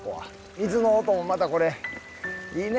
水の音もまたこれいいね。